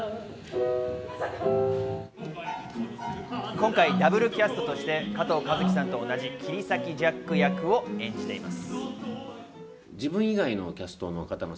今回ダブルキャストとして加藤和樹さんと同じ、切り裂きジャック役を演じています。